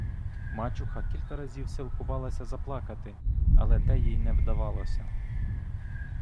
Мачуха кілька разів силкувалася заплакати, але те їй не вдавалося.